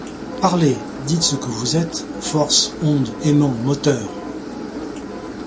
Parlez, dites ce que vous êtes, Forces, ondes, aimants, moteurs!